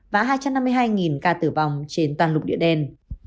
và hai trăm năm mươi hai ca tử vong trên toàn lục địa đen